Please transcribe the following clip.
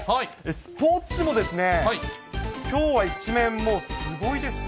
スポーツ紙もですね、きょうは１面、もうすごいですね。